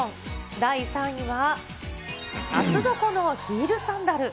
第３位は、厚底のヒールサンダル。